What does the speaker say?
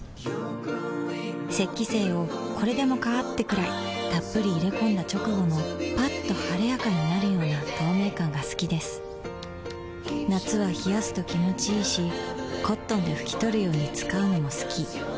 雪肌精をこれでもかーってくらいっぷり入れ込んだ直後のッと晴れやかになるような透明感が好きです夏は冷やすと気持ちいいし灰奪肇で拭き取るように使うのも好き